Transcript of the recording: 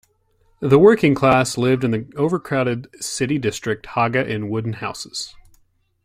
The working class lived in the overcrowded city district Haga in wooden houses.